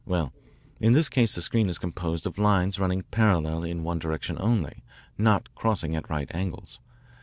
Well, in this case the screen is composed of lines running parallel in one direction only, not crossing at right angles.